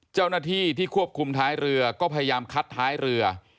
เจ้าหน้าที่ที่ควบคุมท้ายเรือก็พยายามคัดท้ายเรือ